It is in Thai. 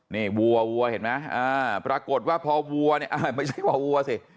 นี่วัววัวเห็นไหมปรากฏว่าพอวัวเนี่ยไม่ใช่วัวสิ